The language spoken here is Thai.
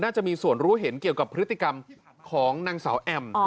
จะมีส่วนรู้เห็นเกี่ยวกับพฤติกรรมของนางสาวแอม